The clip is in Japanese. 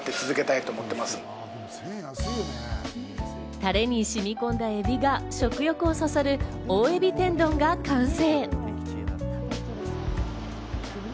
タレに染み込んだ海老が食欲をそそる大海老天丼が完成。